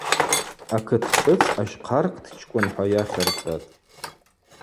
Акыт шӏыц Ащхъарктчкӏвын–хӏва йахьырцӏатӏ.